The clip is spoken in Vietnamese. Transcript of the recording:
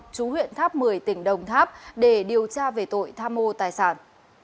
chú huyện tháp một mươi tỉnh đồng tháp để điều tra về tội tham mô tài sản